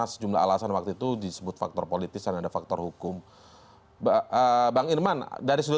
ya sebelum sampai ke situ tentang perpanjangan dulu